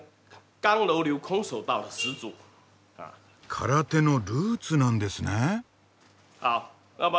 空手のルーツなんですねえ。